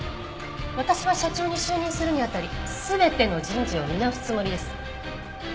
私は社長に就任するにあたり全ての人事を見直すつもりです。